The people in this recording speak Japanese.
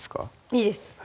いいです